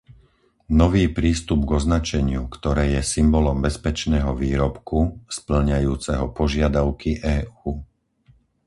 Nový prístup k označeniu, ktoré je symbolom bezpečného výrobku spĺňajúceho požiadavky EÚ.